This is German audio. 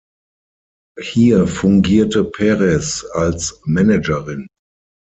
Hier fungierte Perez als Managerin.